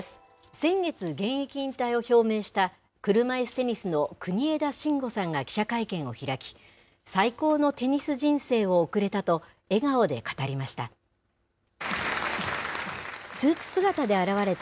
先月現役引退を表明した、車いすテニスの国枝慎吾さんが記者会見を開き、最高のテニス人生を送れたと、笑顔で語りました。